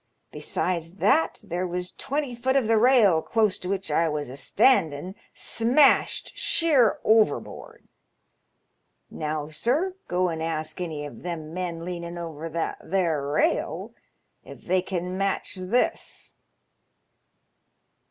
Besides that there was twenty foot of the rail close to which I was a stahdin' smashed sheer overboard. Now, sir, go an' ask any of them men leaning over that there rail if they can match this."